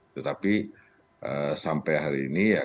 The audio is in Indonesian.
tetapi sampai hari ini ya